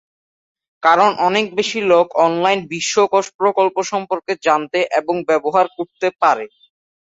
কারণ অনেক বেশি লোক অনলাইন বিশ্বকোষ প্রকল্প সম্পর্কে জানতে এবং ব্যবহার করতে পারে।